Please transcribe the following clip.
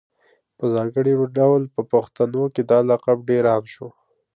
په ځانګړي ډول په پښتنو کي دا لقب ډېر عام شو